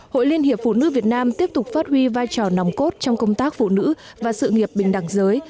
hội liên hiệp phụ nữ việt nam tiếp tục phát huy vai trò nòng cốt trong công tác phụ nữ và sự nghiệp bình đẳng giới